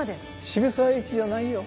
渋沢栄一じゃないよ。